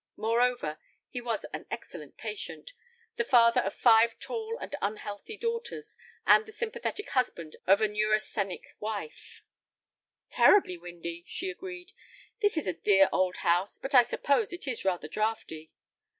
Moreover, he was an excellent patient, the father of five tall and unhealthy daughters, and the sympathetic husband of a neurasthenic wife. "Terribly windy," she agreed. "This is a dear old house, but I suppose it is rather draughty."